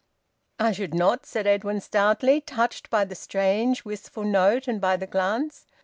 "I should not," said Edwin stoutly, touched by the strange wistful note and by the glance.